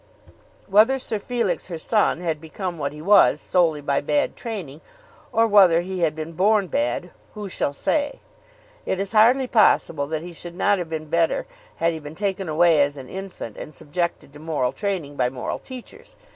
Whether Sir Felix, her son, had become what he was solely by bad training, or whether he had been born bad, who shall say? It is hardly possible that he should not have been better had he been taken away as an infant and subjected to moral training by moral teachers.